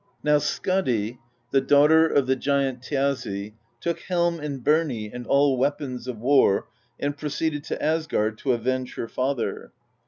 Now Skadi, the daughter of the giant Thjazi, took helm and birnie and all weapons of war and proceeded to Asgard, to avenge her father.